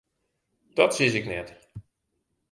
Dat sis ik net.